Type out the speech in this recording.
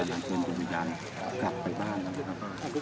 ยังไงแน่นะครับข่อนี้